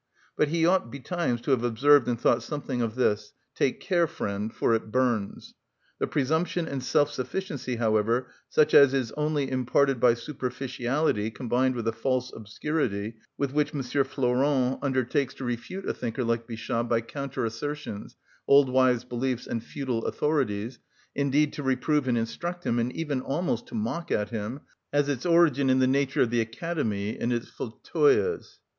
But he ought betimes to have observed and thought something of this: "Take care, friend, for it burns." The presumption and self sufficiency, however, such as is only imparted by superficiality combined with a false obscurity, with which M. Flourens undertakes to refute a thinker like Bichat by counter assertions, old wives' beliefs, and futile authorities, indeed to reprove and instruct him, and even almost to mock at him, has its origin in the nature of the Academy and its fauteuils.